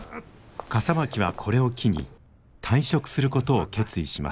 笠巻はこれを機に退職することを決意します。